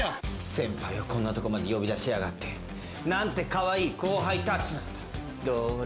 先輩をこんなとこまで呼び出しやがって。なんてかわいい後輩たちだ。